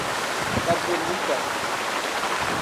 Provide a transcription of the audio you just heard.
Carbonita